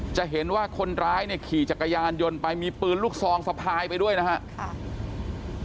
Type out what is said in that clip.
จะเห็นว่าคนร้ายเนี่ยขี่จักรยานยนต์ไปมีปืนลูกซองสะพายไปด้วยนะครับ